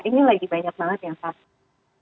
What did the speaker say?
ini lagi banyak banget yang vaksin